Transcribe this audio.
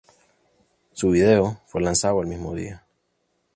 Su video, fue lanzado el mismo día.